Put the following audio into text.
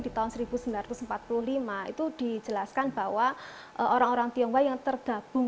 di tahun seribu sembilan ratus empat puluh lima itu dijelaskan bahwa orang orang tionghoa yang tergabung